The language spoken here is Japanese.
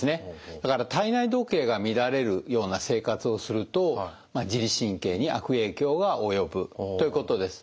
だから体内時計が乱れるような生活をすると自律神経に悪影響が及ぶということです。